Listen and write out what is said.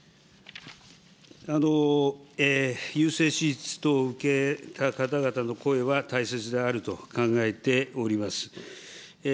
優生手術等受けた方々の声は大切であると考えております。